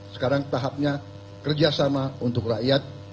sekarang tahapnya kerjasama untuk rakyat